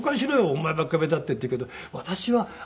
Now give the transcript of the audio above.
「お前ばっか目立って」って言うけど私は。